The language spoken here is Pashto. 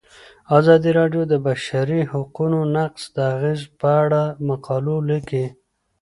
ازادي راډیو د د بشري حقونو نقض د اغیزو په اړه مقالو لیکلي.